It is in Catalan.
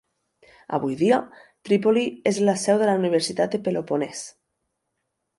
Avui dia, Trípoli és la seu de la Universitat del Peloponès.